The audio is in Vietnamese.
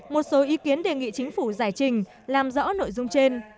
một số ý kiến đề nghị chính phủ giải trình làm rõ nội dung trên